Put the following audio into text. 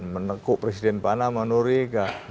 menekuk presiden panama noriega